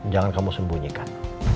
jangan kamu sembunyikan